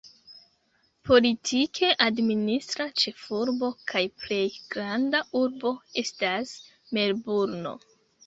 Politike administra ĉefurbo kaj plej granda urbo estas Melburno.